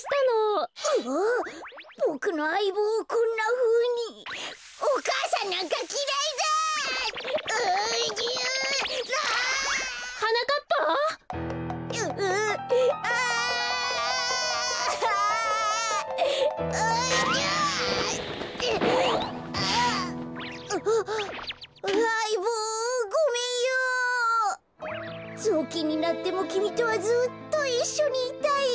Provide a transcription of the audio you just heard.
ぞうきんになってもきみとはずっといっしょにいたいよ。